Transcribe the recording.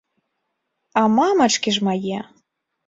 А мамачкі ж мае.